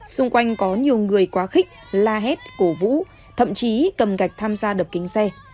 xung quanh có nhiều người quá khích la hét cổ vũ thậm chí cầm gạch tham gia đập kính xe